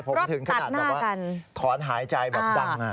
ผมถึงขนาดว่าถอนหายใจดัง